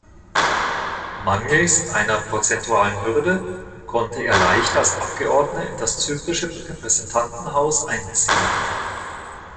Mangels einer prozentualen Hürde konnte er leicht als Abgeordneter in das zyprische Repräsentantenhaus einziehen.